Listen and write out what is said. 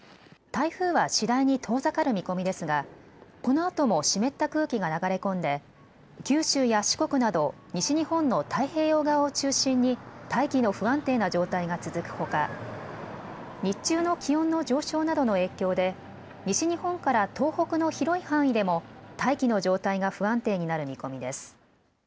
台風は次第に遠ざかる見込みですがこのあとも湿った空気が流れ込んで九州や四国など西日本の太平洋側を中心に大気の不安定な状態が続くほか日中の気温の上昇などの影響で西日本から東北の広い範囲でも大気の状態が不安定になる見込みです。